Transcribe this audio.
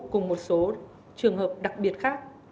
cùng một số trường hợp đặc biệt khác